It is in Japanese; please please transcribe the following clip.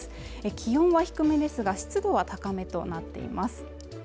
気温は低めですが湿度は高めとなっています。